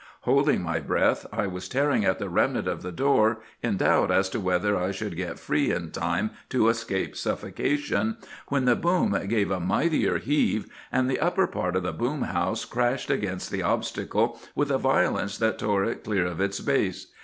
"Holding my breath, I was tearing at the remnant of the door, in doubt as to whether I should get free in time to escape suffocation, when the boom gave a mightier heave, and the upper part of the boom house crashed against the obstacle with a violence that tore it clear of its base.